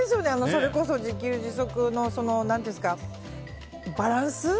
それこそ自給自足のバランス。